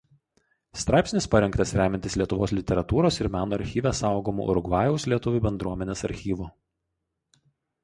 Straipsnis parengtas remiantis Lietuvos literatūros ir meno archyve saugomu Urugvajaus lietuvių bendruomenės archyvu.